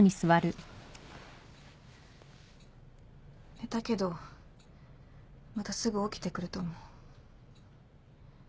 寝たけどまたすぐ起きてくると思う。